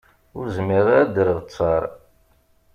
Ur zmireɣ ad d-erreɣ ttaṛ.